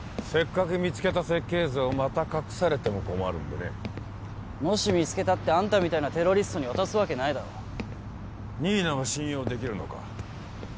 せっかく見つけた設計図をまた隠されても困るんでねもし見つけたってあんたみたいなテロリストに渡すわけないだろ新名は信用できるのか？